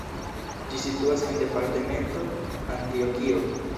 Ĝi situas en departemento Antjokio.